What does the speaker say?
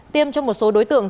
tiêm cho một số đối tượng